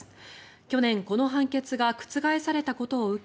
去年、この判決が覆されたことを受け